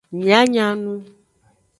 Mia nya nu.